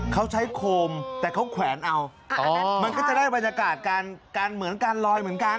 เขาใช้โคมแต่เขาแขวนเอามันก็จะได้บรรยากาศการเหมือนการลอยเหมือนกัน